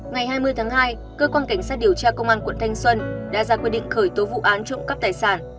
ngày hai mươi tháng hai cơ quan cảnh sát điều tra công an quận thanh xuân đã ra quyết định khởi tố vụ án trộm cắp tài sản